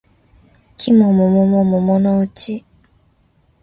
季も桃も桃のうち